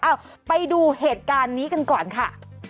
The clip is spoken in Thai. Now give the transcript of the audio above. เอาไปดูเหตุการณ์นี้กันก่อนค่ะ